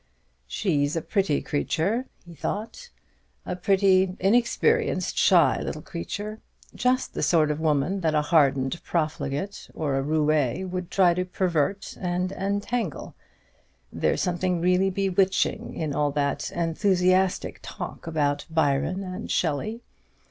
"She's a pretty creature," he thought; "a pretty, inexperienced, shy little creature. Just the sort of woman that a hardened profligate or a roué would try to pervert and entangle. There's something really bewitching in all that enthusiastic talk about Byron and Shelley.